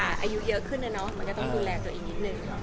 อายุเยอะขึ้นนะเนาะมันก็ต้องดูแลตัวเองนิดนึง